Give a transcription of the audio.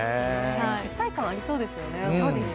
一体感ありそうですよね。